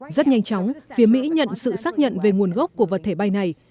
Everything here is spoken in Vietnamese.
rất nhanh chóng phía mỹ nhận sự xác nhận về nguồn gốc của vật thể bay này